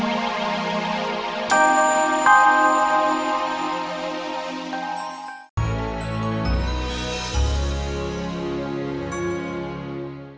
kujang besar kain